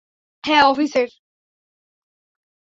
হ্যাঁ, অফিসের।